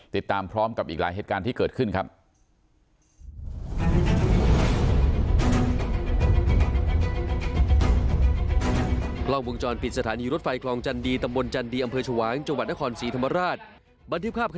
ติดตามพร้อมกับอีกหลายเหตุการณ์ที่เกิดขึ้นครับ